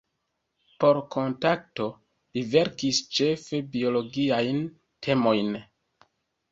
Por "Kontakto" li verkis ĉefe biologiajn temojn.